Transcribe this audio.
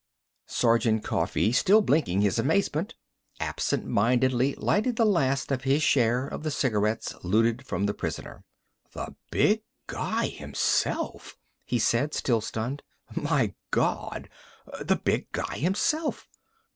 Sergeant Coffee, still blinking his amazement, absent mindedly lighted the last of his share of the cigarettes looted from the prisoner. "The big guy himself!" he said, still stunned. "My Gawd! The big guy himself!"